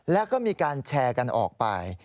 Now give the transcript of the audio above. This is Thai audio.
แล้วก็มีการแชร์กันออกไป